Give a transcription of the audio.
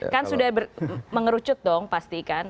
kan sudah mengerucut dong pasti kan